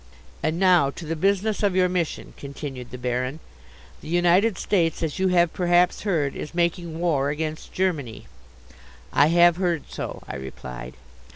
"And now to the business of your mission," continued the Baron. "The United States, as you have perhaps heard, is making war against Germany." "I have heard so," I replied.